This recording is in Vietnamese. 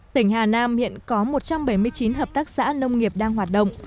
tỉnh hà nam hiện có một trăm bảy mươi chín hợp tác xã nông nghiệp đang hoạt động